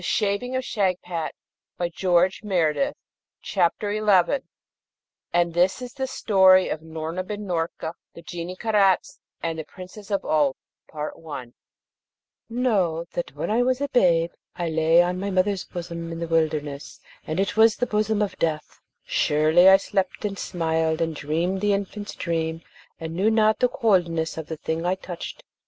So she said, 'And now give ear to the following': AND THIS IS THE STORY OF NOORNA BIN NOORKA, THE GENIE KARAZ, AND THE PRINCESS OF OOLB Know, that when I was a babe, I lay on my mother's bosom in the wilderness, and it was the bosom of death. Surely, I slept and smiled, and dreamed the infant's dream, and knew not the coldness of the thing I touched.